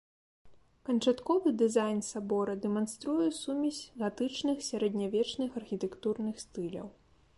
Канчатковы дызайн сабора дэманструе сумесь гатычных сярэднявечных архітэктурных стыляў.